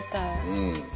うん。